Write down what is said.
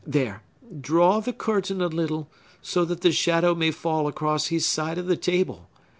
There; draw the curtain a little, so that the shadow may fall across his side of the table!